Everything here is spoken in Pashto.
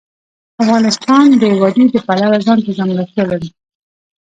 افغانستان د وادي د پلوه ځانته ځانګړتیا لري.